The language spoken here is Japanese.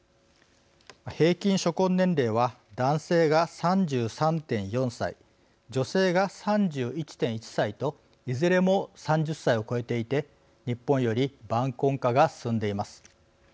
平均初婚年齢は男性が３３．４歳女性が３１．１歳といずれも３０歳を超えていて日本より晩婚化が進んでいます。